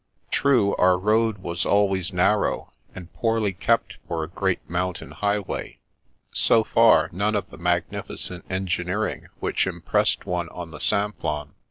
True, our road was always narrow, and poorly kept for a great mountain highway; so far, none of the magnificent engineering which impressed one on the Simplon.